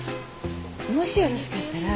もしよろしかったら。